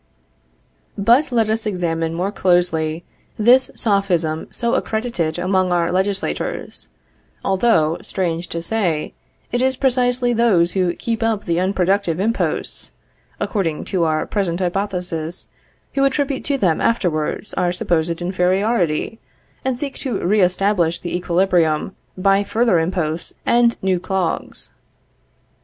But let us examine more closely this Sophism so accredited among our legislators; although, strange to say, it is precisely those who keep up the unproductive imposts (according to our present hypothesis) who attribute to them afterwards our supposed inferiority, and seek to re establish the equilibrium by further imposts and new clogs.